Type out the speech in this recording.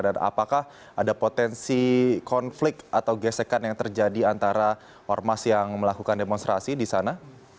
dan apakah ada potensi konflik atau gesekan yang terjadi antara ormas yang melakukan demonstrasi di sana